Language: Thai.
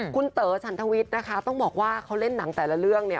คุณเต๋อฉันทวิทย์นะคะต้องบอกว่าเขาเล่นหนังแต่ละเรื่องเนี่ย